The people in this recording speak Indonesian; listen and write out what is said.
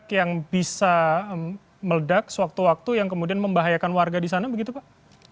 yang bisa meledak sewaktu waktu yang kemudian membahayakan warga di sana begitu pak